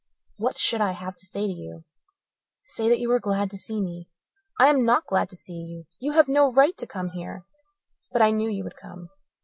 "What should I have to say to you?" "Say that you are glad to see me." "I am not glad to see you. You have no right to come here. But I knew you would come."